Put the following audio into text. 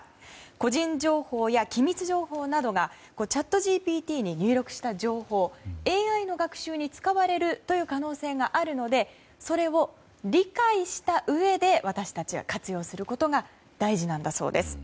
個人情報や機密情報などがチャットＧＰＴに入力した情報がＡＩの学習に使われる可能性があるのでそれを理解したうえで私たちが活用することが大事なんだそうです。